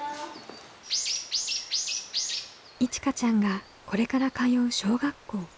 いちかちゃんがこれから通う小学校。